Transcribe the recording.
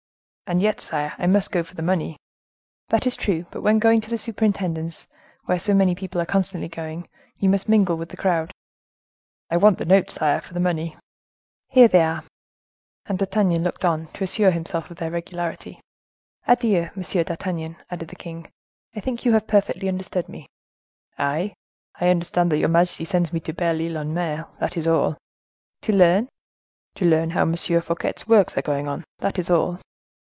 "And yet, sire, I must go for the money." "That is true, but when going to the superintendence, where so many people are constantly going, you must mingle with the crowd." "I want the notes, sire, for the money." "Here they are." The king signed them, and D'Artagnan looked on, to assure himself of their regularity. "Adieu! Monsieur d'Artagnan," added the king; "I think you have perfectly understood me." "I? I understand that your majesty sends me to Belle Ile en Mer, that is all." "To learn?" "To learn how M. Fouquet's works are going on; that is all."